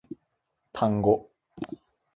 タンゴ